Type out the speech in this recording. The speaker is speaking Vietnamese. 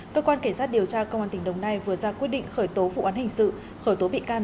cơ quan kể sát điều tra công an tỉnh đồng nai vừa ra quyết định khởi tố vụ án hình sự khởi tố bị can